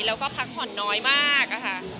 แล้วก็พักผ่อนน้อยมากค่ะ